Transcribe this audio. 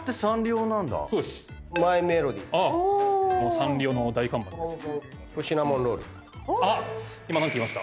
サンリオの大看板ですよ。